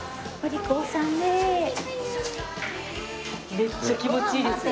めっちゃ気持ちいいですよ。